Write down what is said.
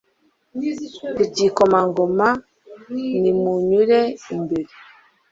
Ku gikomangoma Nimunyure imbere